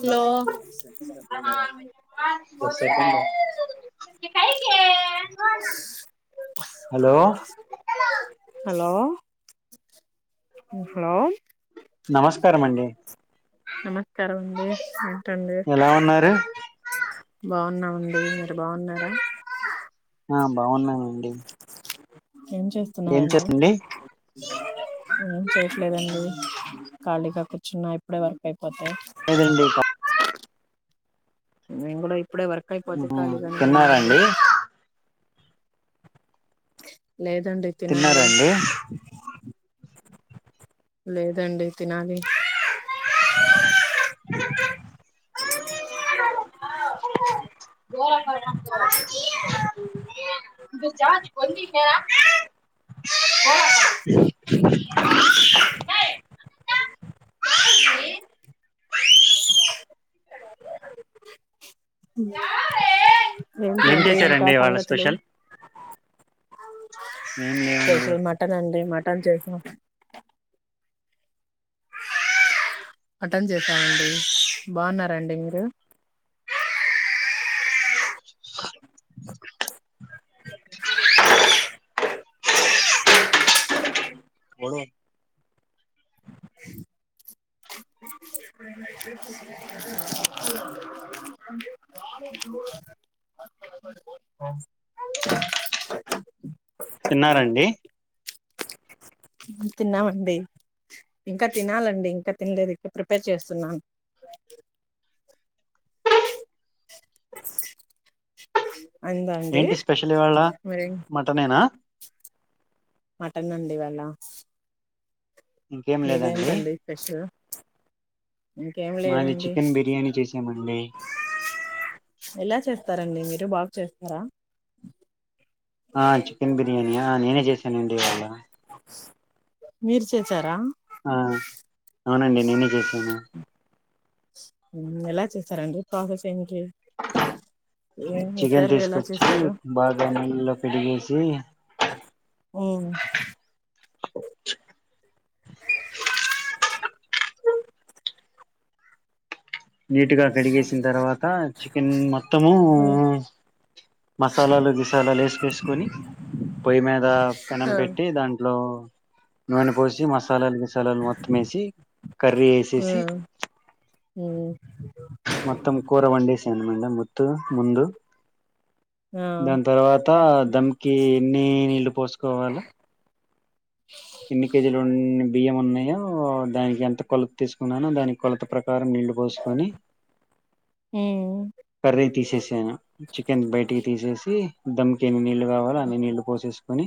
Hello hello hello hello నమస్కారం అండి [unintelligible] నమస్కారం అండి ఏంటండి ఎలా ఉన్నారు బాగున్నామండి మీరు బాగున్నారా ఆ బాగున్నానండి ఏం ఏం చేస్తున్నారండి చేస్తండి ఏం చేయట్లేదండి ఖాళీగా కూర్చున్నా ఇప్పుడే వర్క్ అయిపోతే [unintelligible] నేను కూడా ఇప్ ఇప్పుడే వర్క్ అయిపోతే కాలిగానే ఉన్నానండి. తిన్నారండి లేదండీ. తినాలి తిన్నారండి లేదండి. తినాలి ఇంగా ఏం ఇంకా చేసారండి. ఇవాళ సంగతులు స్పెషల్ ఏం లేవండి స్పెషల్ మటన్ అండి. మట్ టన్ చేసినాం అటెండ్ చేసామండి. బాగున్నారా అండి మీరు బోలో ఆహ్ తిన్నారండి. తిన్నామండి. ఇంకా తినాలండి ఇంకా తినలేదు. ఇంకా ప్రిపేర్ చేస్తున్నాను. అయిందా అండి ఏంటి స్పెషల్ ఇవాళ మరి మటనేనా మటన్ అండి ఇవాళ ఇంకేం లేదండి మీరేంటండి స్పెషల్ ఇంకేం మాది లేదండి చికెన్ బిర్యానీ చేసామండి. స్తారండి. మీరు బాగ్ చేస్తారా ఆ చికెన్ బిర్యానీ ఆ నేనే చేసానండి. ఇవాళ మీరు చేచెరా ఆ అవునండి నేనే చేసాను. హ్మ్ ఎలా చేసారండి. ప్రాసెస్ ఏం చికెన్ చేసారు ఎలా తీసుకొచ్చి చేసారు బాగా నీళ్లో పిడిగేసి ఓ నీటిగా కడిగేసిన తర్వాత చికెన్ మొత్తము మసాలాలు గిసాలాలు వేసి పిసుకొని పొయ్యి మీద పెనం ఉమ్ పెట్టి దాంట్లో నూనె పోసి మసాలాలు, గిసాలాలు, మొత్తం వేసి కర్రీ వేసేసి ఉమ్ మొత్తం కూర వండేశాను. మేడం మొత్తు ముందు ఆ దాని తర్వాత దమ్కి ఎన్ని నీళ్లు పోసుకోవాల ఎన్ని కేజీలున్ని బియ్యం ఉన్నయో ఓ దానికి ఎంత కొలత తీసుకున్నానో దాని కొలత ప్రకారం నీళ్ళు పోసుకొని ఉమ్మ్ కర్రీ తీసేసాను చికెన్ బయటికి తీసేసి దమ్ కి ఎన్ని నీళ్లు కావాలో అన్ని నీళ్ళు పోసేసుకొని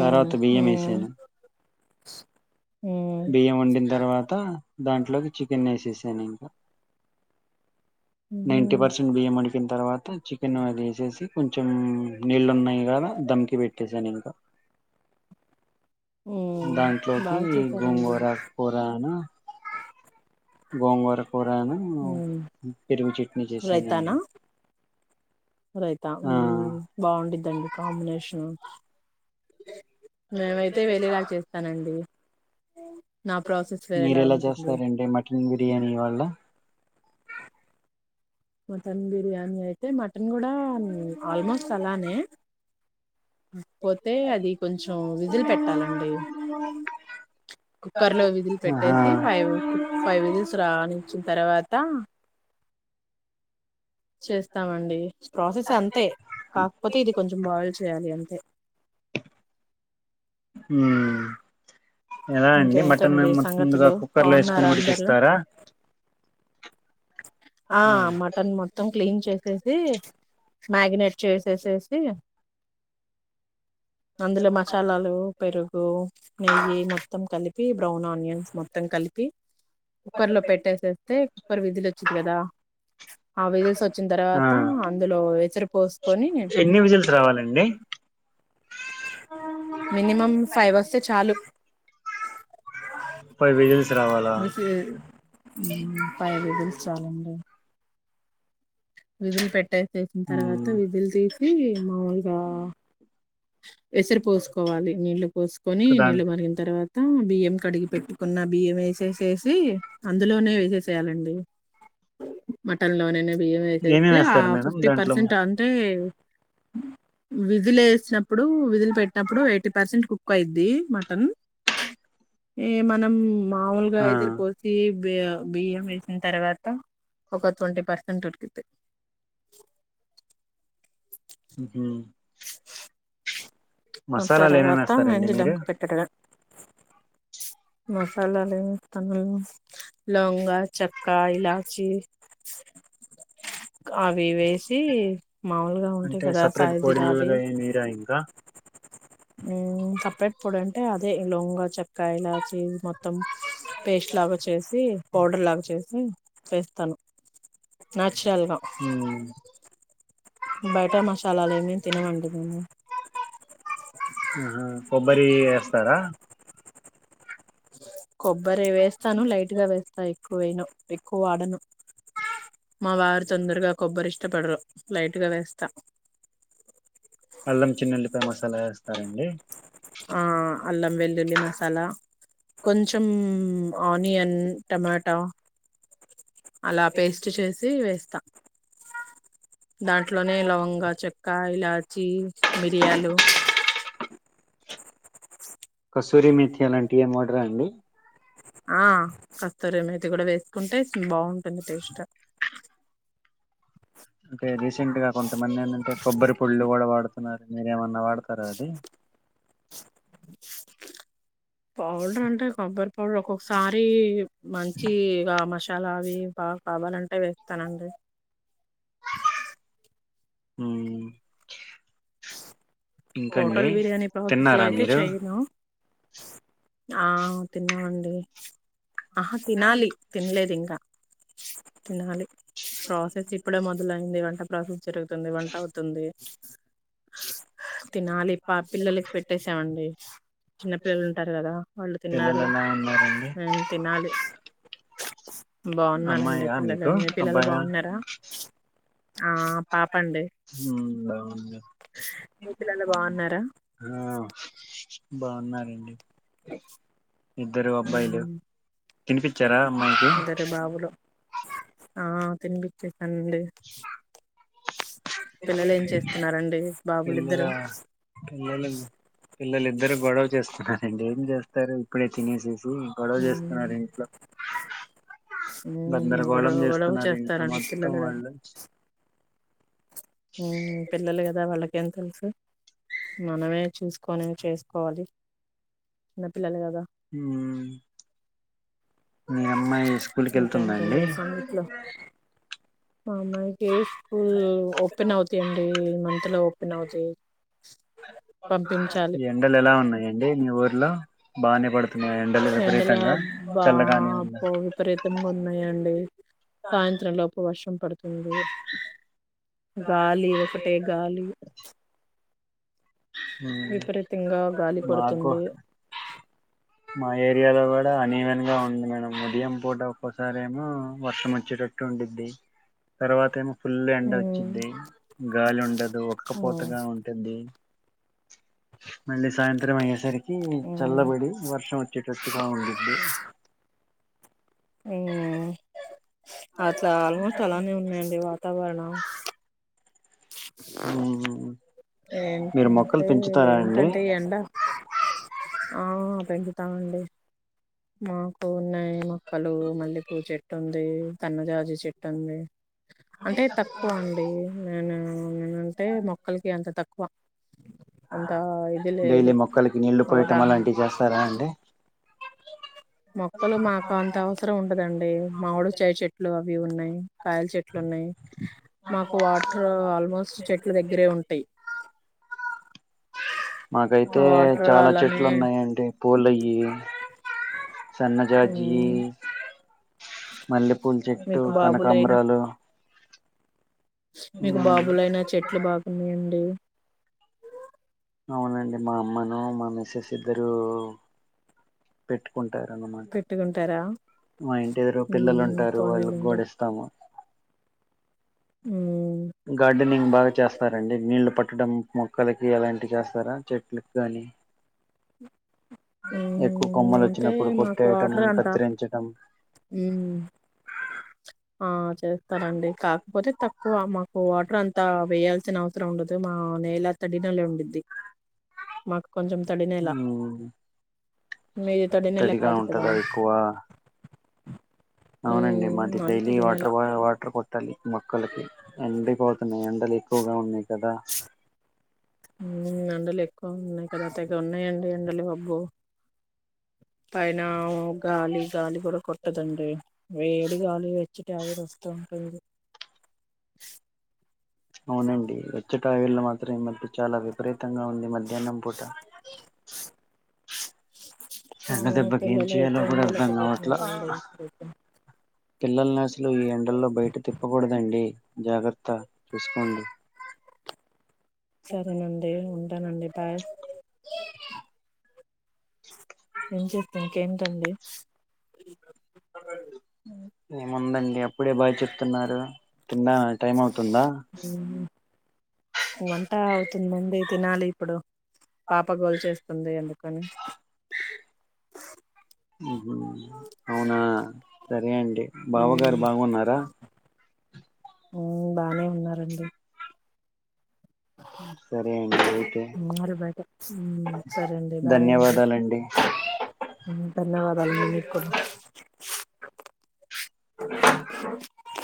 తర్వాత బియ్యం ఉమ్ వేసాను, బియ్యం వండిన తర్వాత దాంట్లోకి చికెన్ని వేసేసాను. దానెమ్మ నైన్టీ ఉమ్ పర్సెంట్ బియ్యం వుడికిిన తర్వాత చిక్ పెనంఅది వేసేసి కొంచెమ్మ్ నీళ్ళు ఉన్నాయి కదా దమ్కి పెట్టసాను ఇంక ఉమ్ దాంట్లోకి బాగా చేసారండి గోంగూర కూరన గోంగూర కూరఅను ఉమ్ పెరుగు చట్నీ చేసానండి. రైతానా రైతా ఆ ఉమ్మ్ బాగుండుదండి కాంబినేషన్ మేమైతే వెేరేగా చేస్తానండి. నా ప్రాసెస్ మీరు వేరేలా ఎలా ఉంటుంది చేస్తారండి మటన్ బిర్యానీ వాళ్ళ మటన్ బిర్యానీ నీ అయితే మటన్ కూడా ఉం ఆల్మోస్ట్ అలానే పోతే అది కొంచెం విజిల్ పెట్టాలండి కుక్కర్ లో విజిల్ పెట్టేసి ఆహా ఫైవ్ కు ఫైవ్ విజిల్స్ రానిచ్చి తర్వాతా చేస్తామండి ప్రోసెస్ అంతే కాకపోతే ఇది కొంచెం బోయిల్ చేయాలి అంతే ఊమ్మ్ ఎలా అండి మటన్ను ఇంకేంటండి మొత్తం ముందుగా సంగతులు కుక్కర్లో బాగున్నారా వేసుకొని అందరూ ఉడికిస్తారా ఆ మటన్ మొత్తం క్లీన్ చేసేసి మ్యాగ్నేట్ చేసేసేసి అందులో మసాలాలు పెరుగు, నెయ్యి మొత్తం కలిపి బ్రౌన్ ఆనియన్స్ మొత్తం కలిపి కుక్కర్ లో పెట్టేసేస్తే కుక్కర్ విజిల్ వ చికెనదా ఆ విజిల్స్ వచ్చిన ఆ తర్వాత అందులో ఎసరు పోసుకొని ఎన్ని విజిల్స్ రావాలండి మినిమం ఫైవ్ వస్తే చాలు ఫైవ్ విజిల్స్ రావాలా విజిల్స్ ఫైవ్ విజిల్స్ చాలాండి విజిల్ పెట్టే చేసిన తర్వాత ఉమ్ విజిల్ తీసి మా వాళ్ళ ఆ ఎసరుపోసుకోవాలి నీళ్ళ పోసుకొని నీళ్ళు దాంట్ మరిగిన తర్వాత మొత్తం బియ్యం కడిగి పెట్టుకున్న బియ్యం వేసేసేసి అందులోనే వేసేసేయాలండి మటన్ లోనేనే బియ్యం వే చేస్తే ఏమేమి ఆ వేస్తారు మేడం ఫిఫ్టీ దాంట్లో పర్సెంట్ అంటే విజిల్ వేసినప్పుడు విజిల్ పెట్టినప్పుడు ఎయిటీ పర్సెంట్ కు కుక్ అయిది మటన్ ఈ మనం మాముూలుగా ఆ ఏసురు పోసి బి బియ్యం వేసిన తర్వాత ఒక ట్వంటీ పర్సెంట్ ఉడికి హ్మ్ హు మసాలాలు ఏమేమి తర్వాతా వేస్తారండి వెంది ధామ్ మీరు కు పెట్డడమే మసాలాలు తనం లవంగ చెక్క ఇలాచి అవి వేసి మాములుగా ఉంటాయి అంటే కదా సపరేట్ సాయి్ జిరా అవి పొడిలుగా ఏమి వేయరా ఇంకా సపరేట్ పొడి అ అంటే అదే లవంగం చక్క ఇ మొత్తం పేస్ట్ లాగా వచ్చేసి పౌడర్ లాగాచ్చేసి వేస్తాను నాచురల్గా ఉమ్ బయట మసాలాలు ఏమి తినమండి మేము హ్మ్ హు కొబ్బరి వేస్తారా కొబ్బరి వేస్తాను లైట్ గా వేస్తా ఎక్కువేను ఎక్కువ వాడను మా వారు తొందరగా కొబ్బరి ఇష్ట ఇష్టపడరు లైట్గా వేస్తా అల్లం చిన్నుల్లిపాయ మసాలా వేస్తారండి ఆ అల్లం వెల్లుల్లి మసాలా కొంచం ఆనియన్ టమాటా అలా పేస్ట్ చేసి వేస్తా దాంట్లోనే లవంగా చెక్క ఇలా చి మిరియాలు కసూరి మేతి అలాంటివి ఏం వాడరా అండి ఆ కస్తూరిమెంతీ కూడా వేసుకుంటే బాగుంటుంది టేస్ట్ అంటే రీసెంట్ గా కొంతమంది ఏంటంటే కొబ్బరి పుళ్ళు కూడా వాడుతున్నారు మీరు ఎమన్ నా వాడతారా అది పౌడర్ అంటే కొబ్బరి పౌడర్ ఒక్కొక్కసారి మంచి ఇ మష చాలా అవి బాగా కావాలంటే వేస్తానండి మ్మ్ ఇంకండి హోటల్ బిర్యానీ ప్రాసెస్ లో తిన్నారా అయితే మీరు చెయను ఆ తిన్నామండ్ వేచ్ ఆహా తినాలి తినలేదు ఇంకా తిన్నాలి హస్ జస్ట్ ఇప్పుడే మొదలైంది వంట ప్రాసెస్ జరుగుతుంది వంట అవుతుంది తినాలి పా పిల్లలకి పెట్టేసామండి చిన్న పిల్లలు ఉంటారు కదా వాళ్ళు పిల్లలు తిన్నారు ఎలా ఉన్నారండి మేమ్ తినాలి. సుక్ సుక్. బాగున్నారండి అమ్మాయా పిల్లలు మీకు మీ పిల్లలు అబ్బాయా బాగున్నారా. ఆ పాప అండి మ్మ్ బాగుంది మీ పిల్లలు బాగున్నారా ఆ బాగున్నారండి. ఇద్దరు అబ్బాయిలు తినిపిచ్చారా అమ్మాయికి ఇద్దరు బాబులు ఆ తిని పించేస్ అండి చు చ్. పిల్లల ఇద్దరు పిల్లలు పిల్లలు ఇద్దరు గొడవ చేస్తున్నారండి. జెస్ తారు ఇప్పుడే తినేసేసి గొడవ చేస్తున్నారు ఇంట్లో గందరగోళం గొడవ గొడవ చేస్తున్నారు ఇంట్లో చేస్తారండి మొత్తం పిల్లలు వాళ్ళు. హ్మ్ పిల్లలు కదా వాళ్ళ ఏం తెలుసు మనమే చూసుకొని చేసుకోవాలి చిన్నపిల్లలు కదా. హ్మ్. మీ అమ్మాయి స్కూల్ కి వెళ్తుందండి ఇంకేంటండి సంగట్లో మా అమ్మాయ్ కి స్కూల్ ఓపెన్ అవుతై అండి ఈ మంత్ లో ఓపెన్ అవుతై ఎండలు ఎలా ఉన్నాయండి. మీ ఊర్లో బానే పడుతున్నాయా ఎండలు విపరీతంగా చల్లగాని. అబ్బో విపరీతంగా ఉన్నాయండి. సాయంత్రంలోపు వర్షం పడుతు తిన్దు గాలి ఒకటే గాలి ప్చ్ విపరీతంగా గాలి మాకు పడుతుంది. మా ఏరియాలో కూడా అన్వెన్ గా ఉంది మేడం ఉదయం పూట ఒక్కసారేమో వర్షం వచ్చేటట్టు ఉండిది తర్వాత ఏమో ఫుల్ ఎండ ఉమ్, వచ్చిది గాలి ఉండదు ఉమ్, ఒక్కపోతగా ఉంటుంది మళ్ళీ సాయంత్రం అయ్యేసరికి చల్లబడి వర్ గట్టిగా ఉండింది మ్మ్ అట్లా ఆల్మోస్ట్ అలానే ఉన్నాయండి వాతావరణం ఉండిద్ది మీరు మొక్కలు ఏంటంటే పెంచుతారా అండి ఏంటంటే ఈ ఎండ ఆ పెన్కిట్ తావండి మాకు ఉన్నాయి మొక్కలు మల్లెపూ చెట్టు ఉంది తన్నజాజీ చెట్టు ఉంది అంటే తక్కువ అండి నేనే హ్మ్ టే మొక్కలకి అంతా తక్కువ అంత ఇది లేదు డైలీ మొక్కలకి నీళ్లు పోయటం అవగాహన అలాంటివి చేస్తారా అండి. మొక్కలు మాకు అంత అవసరం ఉండదండి మావుడు చై చెట్లు [unintelligible] ఏ ఉన్నాయి హ్మ్ కాయల చెట్లు ఉన్నాయి మాకు వాటర్ ఆల్మోస్ట్ చెట్లు దగ్గరే ఉంటాయి మాకైతే ఆ వాటర్ అలానే పోల ఈ సన్నజాజీ ఉమ్, మళ్ళీ పుల్చేట్టు మీకు బాబులైనా కమరాలు మీకు బాబుల అయిన చెట్లు బాగున్నాయండి అవునండి మా అమ్మను మా మిస్సెస్ ఇద్దరు పెట్టుకుం అంటారు అన్నమాట పెట్టుకుంటారా మా ఇంటి ఎదురు పిల్లలు ఉమ్, ఉంటారు వాళ్ళకి కూడ పోనీలేండి ఇస్తాము హ్మ్ గార్డెనింగ్ బాగా చేస్తారండి నీళ్లు పట్ కుట్టడం మొక్కలకి ఎలాంటివి చేస్తారా చెట్లకి గానీ ఎక్కువ ఉమ్, కొమ్మలు అంటే వచ్చినప్పుడు కొట్టేయటం కత్తిరించటం హ్మ్ ఆ చేస్తారండి కాకపోతే తక్కువ మాకు వాటర్ అంతా వేయాల్సిన అవసరం ఉండదు అ నెలా తడి నెల ఉండిద్ది మాకు కొంచెం తడి నెలా మీది తడి నెల తడిగా కాదు కదా ఉంటదా ఎక్కువ అవునండి హ్మ్. మాది డైలీ తడి నేల వాటర్ బా వాటర్ కొ తల్లి మొక్కలకి ఎండిపోతున్నాయి ఎండలు ఎక్కువగా ఉన్నాయి కదా ఎండలు ఎక్కువ ఉన్నాయి కదా తెగ ఉన్నాయండి ఎండలు ఆబో పైన గాలి గాలి కూడా కొట్టదండి వేడి గాలి వచ్చిటి ఆవిరు వస్తూ ఉంటు [inaudible] అవునండి వచ్చ పూటా వళ్ళ మాత్రం ఈ మధ్య చాలా విపరీతంగా ఉంది మధ్యాహ్నం పూట ఎండ దెబ్బకి ఏం పిల్లలు చేయాలో అయితే కూడా అర్థం కావట్ల ఉండలేకపోతున్నారండి పాపం. పిల్లలని అసలు ఈ ఎండల్లో బయట తిప్పకూడదండి జాగ్రత్త చూసుకోండి సరేనండి ఉంటానండి బాయ్ ఏం చేస్తా ఇంకేంటండి స [inaudible] ఏముందండి అప్పుడే బాయ్ చెప్తున్నారు తిండ టైం అవుతుందా హ్మ్. వంట అవుతుందండి తినాలి ఇప్పుడు పాప గోలు చేేస్తుంది ఎందుకు కాను అవునా సరే అంటే బావ గారు బాగున్నారా ఆ బానే ఉన్నారండి సరే అండి అయితే [unintelligible] సరే అండి బాయ అండి ధన్యవాదాలండి ధన్యవాదాలుండి మీకు [inaudible]